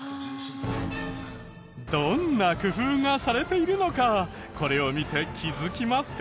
どんな工夫がされているのかこれを見て気づきますか？